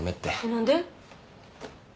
何で？